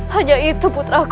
hanya itu putriku